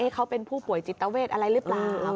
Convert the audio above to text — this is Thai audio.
เขาเป็นผู้ป่วยจิตเวทอะไรหรือเปล่า